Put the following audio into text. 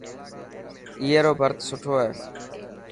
اي رو ڀرت سٺو هي.